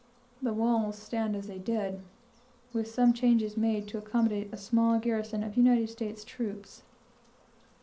The walls stand as they did, with some changes made to accommodate a small garrison of United States troops.